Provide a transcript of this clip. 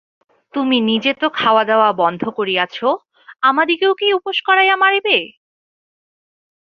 তুমি নিজে তো খাওয়াদাওয়া বন্ধ করিয়াছ, আমাদিগকেও কি উপোস করাইয়া মারিবে?